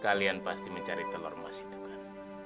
kalian pasti mencari telur emas itu kan